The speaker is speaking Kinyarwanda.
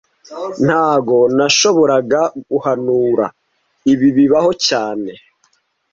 Ntago nashoboraga guhanura ibi bibaho cyane